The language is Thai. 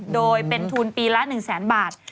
โดยเป็นทูลปีละ๑๐๐๐๐๐บาท